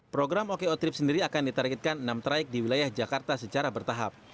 program oko trip sendiri akan ditargetkan enam traik di wilayah jakarta secara bertahap